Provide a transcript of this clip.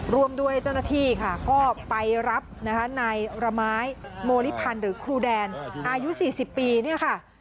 ร่วมด้วยเจ้าหน้าที่ค่ะก็ไปรับนะคะนายระไม้โมริพันธ์หรือครูแดนอายุ๔๐ปีเนี่ยค่ะ